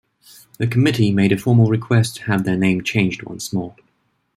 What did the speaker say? The Committee made a formal request to have their name changed once more.